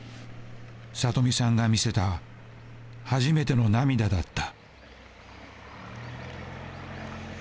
里美さんが見せた初めての涙だった。